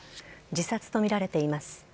自殺とみられています。